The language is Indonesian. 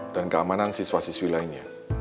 dan keamanan siswa siswi lainnya